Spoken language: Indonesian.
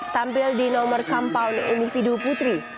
tampil di nomor somepown individu putri